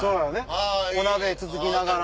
お鍋つつきながら。